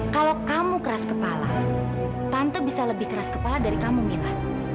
kalau kamu keras kepala tante tante bisa lebih keras kepala dari kamu mila